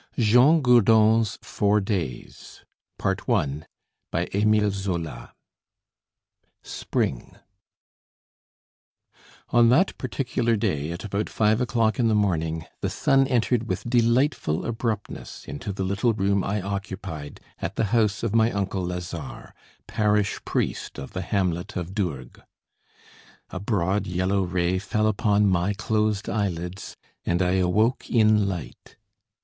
JEAN GOURDON'S FOUR DAYS BY EMILE ZOLA SPRING On that particular day, at about five o'clock in the morning, the sun entered with delightful abruptness into the little room I occupied at the house of my uncle Lazare, parish priest of the hamlet of Dourgues. A broad yellow ray fell upon ray closed eyelids, and I awoke in light.